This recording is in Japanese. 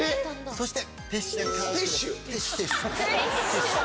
そして。